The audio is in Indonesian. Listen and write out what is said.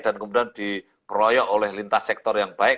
dan kemudian diperoyok oleh lintas sektor yang baik